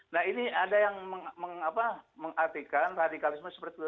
nah ini ada yang mengartikan radikalisme seperti itu